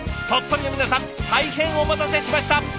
鳥取の皆さん大変お待たせしました！